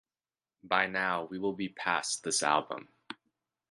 By now we will be past this album.